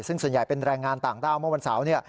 ซึ่งส่วนใหญ่เป็นแรงงานต่างด้าวเมื่อวันเสาร์เนี่ย